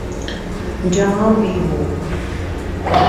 جہاں بھی ہوں۔